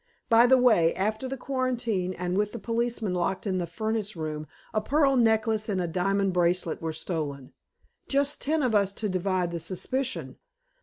By the way, after the quarantine and with the policeman locked in the furnace room, a pearl necklace and a diamond bracelet were stolen! Just ten of us to divide the suspicion!